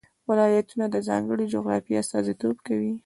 ولایتونه د ځانګړې جغرافیې استازیتوب کوي.